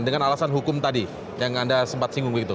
dengan alasan hukum tadi yang anda sempat singgung begitu